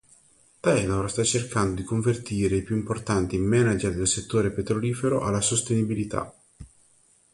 Taylor sta cercando di convertire i più importanti manager del settore petrolifero alla sostenibilità.